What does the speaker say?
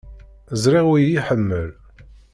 Ẓriɣ ur iyi-iḥemmel.